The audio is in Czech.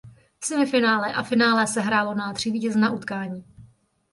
V semifinále a finále se hrálo na tři vítězná utkání.